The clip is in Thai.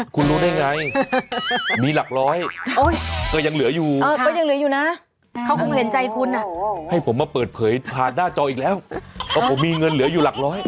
พาหน้าจออีกแล้วเพราะว่ามีเงินเหลืออยู่หลักร้อย